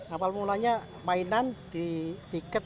awal mulanya mainan di tiket